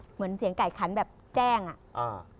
เหมือนเสียงไก่คันแบบแจ้งอ่ะอ่า